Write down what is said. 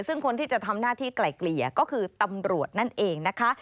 ซึ่งคนที่จะทำหน้าที่ไกล่เกลี่ยก็คือตำรวจนั่นเองนะคะ